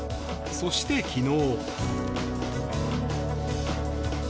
そして、昨日。